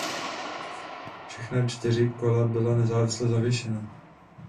Všechna čtyři kola byla nezávisle zavěšena.